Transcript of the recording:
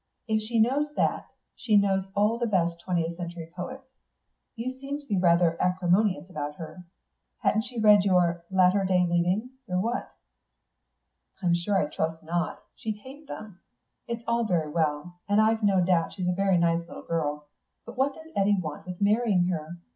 If she knows that, she knows all the best twentieth century poets. You seem to be rather acrimonious about her. Hadn't she read your 'Latter Day Leavings,' or what?" "I'm sure I trust not. She'd hate them.... It's all very well, and I've no doubt she's a very nice little girl but what does Eddy want with marrying her?